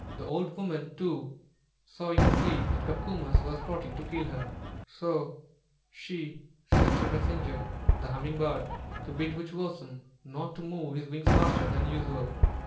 The old woman too saw in her sleep that Copcomus was plotting to kill her; so she sent her messenger, the Humming bird, to bid Wūchowsen not to move his wings faster than usual.